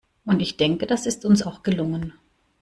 Und ich denke, das ist uns auch gelungen.